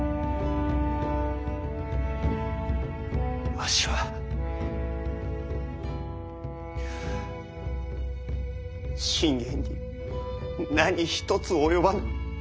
わしは信玄に何一つ及ばぬ。